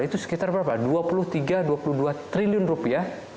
itu sekitar berapa dua puluh tiga dua puluh dua triliun rupiah